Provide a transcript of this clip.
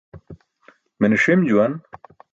Mene ṣim juwan.